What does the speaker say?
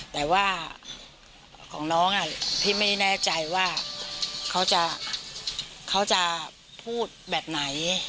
แต่ว่าของน้องพี่ไม่แน่ใจว่าเขาจะพูดแบบไหน